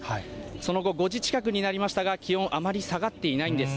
その後、５時近くになりましたが、気温あまり下がっていないんです。